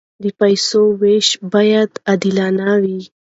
د پیسو وېش باید عادلانه وي.